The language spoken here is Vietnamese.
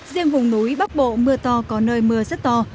riêng vùng núi bắc bộ mưa to có nơi mưa rất to